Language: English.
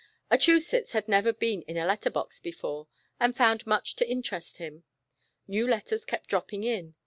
Achusetts had never been in a letter box before, and found much to interest him. New letters kept dropping in.